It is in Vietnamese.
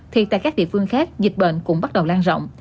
thì tại các địa phương khác dịch bệnh cũng bắt đầu lan rộng